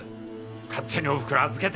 勝手におふくろ預けて。